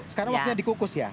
sekarang waktunya di kukus ya